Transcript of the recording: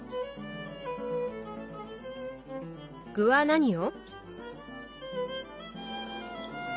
具は何を？